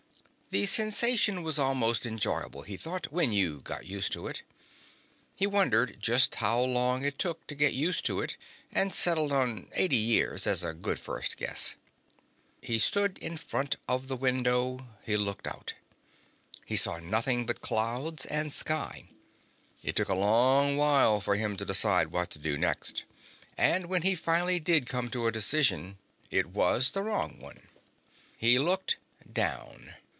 The sensation was almost enjoyable, he thought, when you got used to it. He wondered just how long it took to get used to it and settled on eighty years as a good first guess. He stood in front of the window. He looked out. He saw nothing but clouds and sky. It took a long while for him to decide what to do next, and when he finally did come to a decision, it was the wrong one. He looked down.